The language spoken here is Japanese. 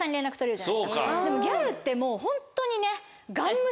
ギャルってもうホントにね。